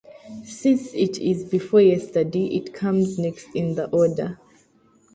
Since it is before yesterday, it comes next in the order.